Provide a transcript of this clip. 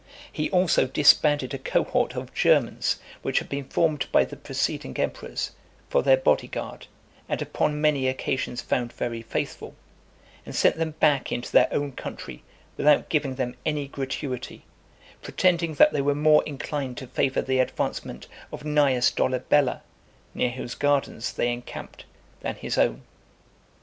He also disbanded a cohort of Germans, which had been formed by the preceding emperors, for their body guard, and upon many occasions found very faithful; and sent them back into their own country, without giving them any gratuity, pretending that they were more inclined to favour the advancement of Cneius Dolabella, near whose gardens they encamped, than his own.